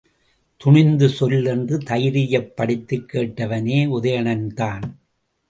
துணிந்து சொல் என்று தைரியப்படுத்திக் கேட்டவனே உதயணன்தான்.